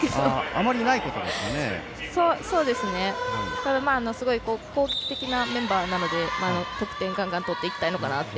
ただ、すごく攻撃的なメンバーなので得点をガンガン取っていきたいのかなと。